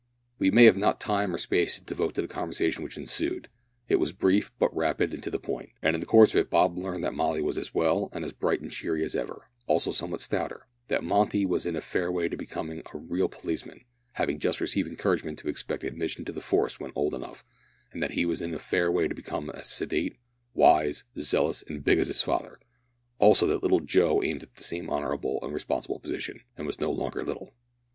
We have not time or space to devote to the conversation which ensued. It was brief, but rapid and to the point, and in the course of it Bob learned that Molly was as well, and as bright and cheery as ever also somewhat stouter; that Monty was in a fair way to become a real policeman, having just received encouragement to expect admission to the force when old enough, and that he was in a fair way to become as sedate, wise, zealous, and big as his father; also, that little Jo aimed at the same honourable and responsible position, and was no longer little.